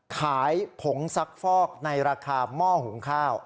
ขายผงซักฟอกในราคาหม้อหุงข้าว